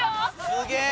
すげえ！